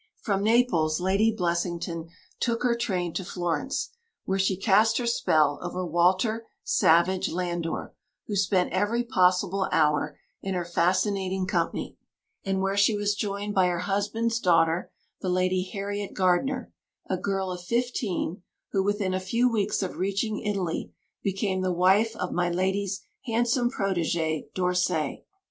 From Naples Lady Blessington took her train to Florence, where she cast her spell over Walter Savage Landor, who spent every possible hour in her fascinating company; and where she was joined by her husband's daughter, the Lady Harriet Gardiner, a girl of fifteen, who, within a few weeks of reaching Italy, became the wife of my lady's handsome protege, d'Orsay.